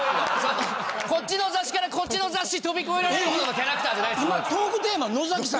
こっちの雑誌からこっちの雑誌飛び越えられるようなキャラクターじゃないです野崎さん。